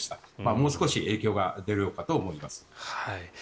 もう少し影響が出るかと思います。